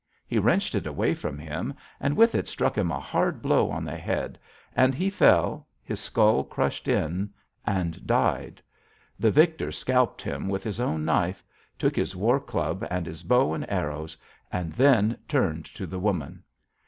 He wrenched it away from him, and with it struck him a hard blow on the head, and he fell, his skull crushed in, and died. The victor scalped him with his own knife, took his war club and his bow and arrows, and then turned to the woman.